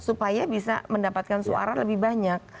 supaya bisa mendapatkan suara lebih banyak